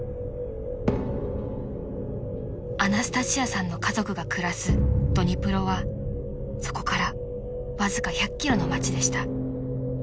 ［アナスタシアさんの家族が暮らすドニプロはそこからわずか１００ｋｍの町でした］